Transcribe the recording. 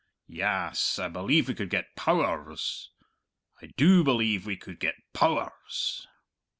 Yass; I believe we could get Pow ers. I do believe we could get Pow ers."